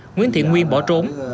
nguyễn thiện nguyên bỏ trốn